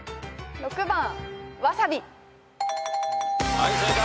はい正解。